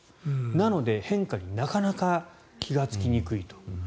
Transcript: なので、変化になかなか気がつきにくいと。